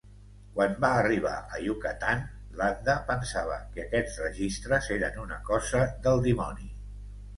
Quan va arribar a Yucatán, Landa pensava que aquests registres eren una cosa del dimoni.